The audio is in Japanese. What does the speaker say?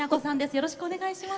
よろしくお願いします。